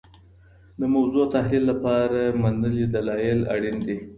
د موضوع تحلیل لپاره منلي دلایل اړین دي.